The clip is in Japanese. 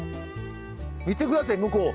見て下さい向こう。